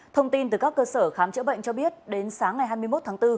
thông tin từ các cơ sở khám chữa bệnh cho biết đến sáng ngày hai mươi một tháng bốn